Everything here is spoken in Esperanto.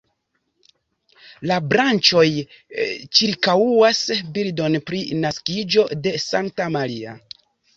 La branĉoj ĉirkaŭas bildon pri naskiĝo de Sankta Maria.